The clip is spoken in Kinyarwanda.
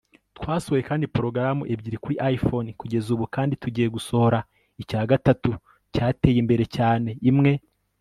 Twasohoye kandi porogaramu ebyiri kuri iPhone kugeza ubu kandi tugiye gusohora icya gatatu cyateye imbere cyane imwe